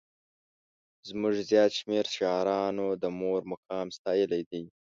زموږ زیات شمېر شاعرانو د مور مقام ستایلی دی.